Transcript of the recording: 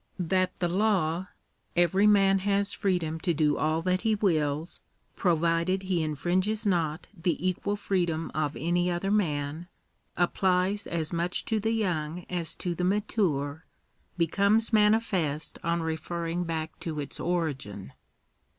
That the law — Every man has freedom to do all that he wills, provided he infringes not the equal freedom of any other man— applies as much to the young as to the mature, becomes manifest on referring back to its origin.